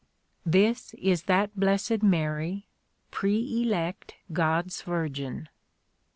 This is that blessed Mary, pre elect God's Virgin.